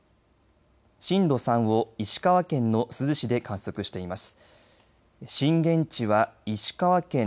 震度３を石川県の珠洲市で観測しています。